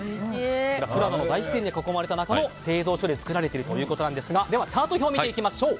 富良野の大自然に囲まれた中の製造所で作られているということですがチャート表を見ていきましょう。